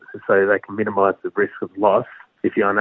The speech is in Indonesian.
jika anda tidak dapat mencapai perintah pinjaman